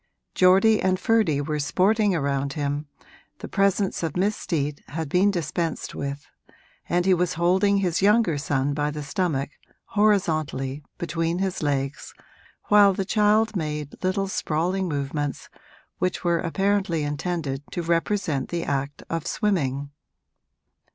Geordie and Ferdy were sporting around him, the presence of Miss Steet had been dispensed with, and he was holding his younger son by the stomach, horizontally, between his legs, while the child made little sprawling movements which were apparently intended to represent the act of swimming.